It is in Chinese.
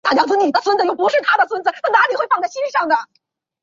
这两个伽玛射线泡外观是互相镜像对称。